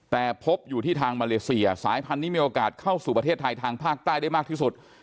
แต่พบอยู่ที่ทางมาเลเซียสายพันธุ์นี้มีโอกาสเข้าสู่ประเทศไทยทางภาคใต้ได้มากที่สุด